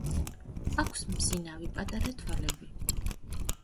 აქვს მბზინავი პატარა თვალები.